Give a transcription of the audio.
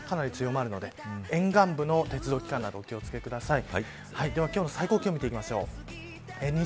それから南風がかなり強まるので沿岸部の鉄道機関などお気を付けください。